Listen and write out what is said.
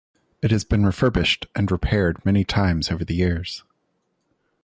It has been refurbished and repaired many times over the years.